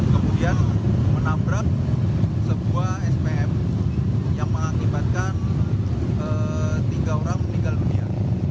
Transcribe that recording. kemudian menabrak sebuah spm yang mengakibatkan tiga orang meninggal dunia